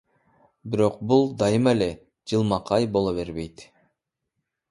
Бирок бул дайыма эле жылмакай боло бербейт.